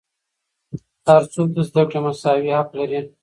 هر څوک د زدهکړې مساوي حق لري.